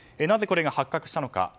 なぜこれが発覚したのか。